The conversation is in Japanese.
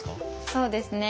そうですね。